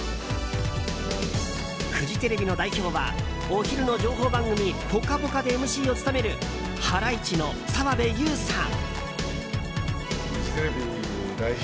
フジテレビの代表はお昼の情報番組「ぽかぽか」でＭＣを務めるハライチの澤部佑さん。